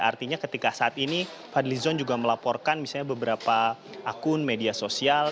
artinya ketika saat ini fadli zon juga melaporkan misalnya beberapa akun media sosial